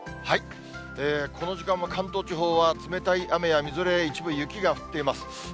この時間も関東地方は冷たい雨やみぞれ、一部、雪が降っています。